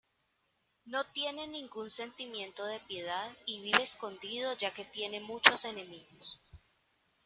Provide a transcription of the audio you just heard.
No tiene ningún sentimiento de piedad y vive escondido ya que tiene muchos enemigos.